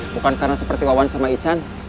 bukan karena seperti wawan sama ican